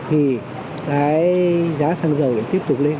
thì cái giá xăng dầu nó tiếp tục lên